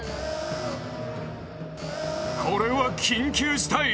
これは緊急事態！